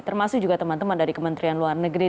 termasuk juga teman teman dari kementerian luar negeri